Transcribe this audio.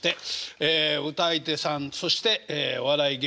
歌い手さんそしてお笑い芸人。